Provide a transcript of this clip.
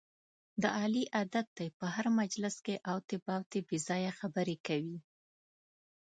د علي عادت دی، په هر مجلس کې اوتې بوتې بې ځایه خبرې کوي.